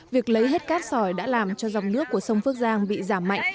việc lấy hết cát sỏi đã làm cho dòng nước của sông phước giang bị giảm mạnh